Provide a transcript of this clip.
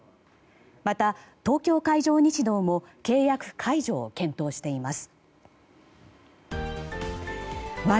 また、東京海上日動も契約解除を検討しています。